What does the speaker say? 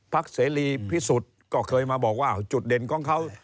เสรีพิสุทธิ์ก็เคยมาบอกว่าจุดเด่นของเขา